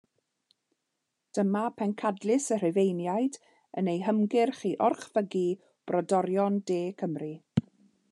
Dyma bencadlys y Rhufeiniaid yn eu hymgyrch i orchfygu brodorion De Cymru.